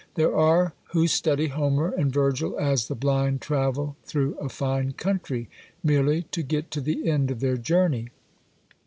There are who study Homer and Virgil as the blind travel through a fine country, merely to get to the end of their journey.